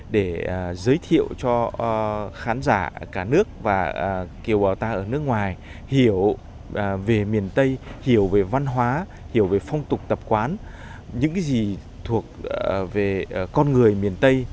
để giới thiệu cho khán giả cả nước và kiều bào ta ở nước ngoài hiểu về miền tây hiểu về văn hóa hiểu về phong tục tập quán những cái gì thuộc về con người miền tây